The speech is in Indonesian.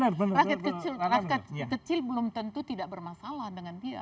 rakyat kecil belum tentu tidak bermasalah dengan dia